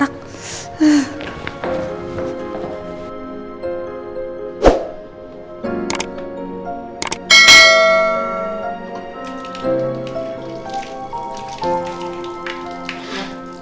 aku mau pergi